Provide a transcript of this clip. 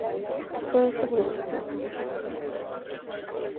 Todo esto provocó que el Puerto de Silla entrase en un periodo de olvido.